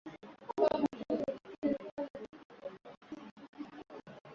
movement for democratic change walikuwa wanasema kuwa